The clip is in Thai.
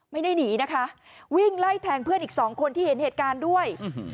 ไม่ได้หนีนะคะวิ่งไล่แทงเพื่อนอีกสองคนที่เห็นเหตุการณ์ด้วย